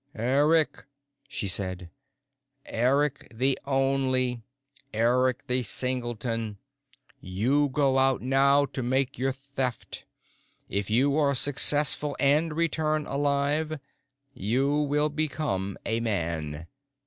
"Eric," she said. "Eric the Only, Eric the Singleton, you go out now to make your Theft. If you are successful and return alive, you will become a man.